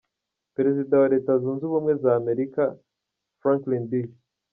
Perezida wa Leta zunze ubumwe za Amerika Franklin D.